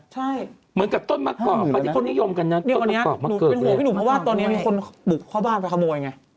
ใช่เหมือนกับต้นมะเกาะตอนนี้มีคนปลูกเข้าบ้านไปขโมยไง